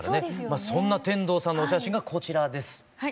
そんな天童さんのお写真がこちらです。